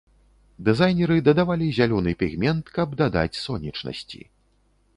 Дызайнеры дадавалі зялёны пігмент, каб дадаць сонечнасці.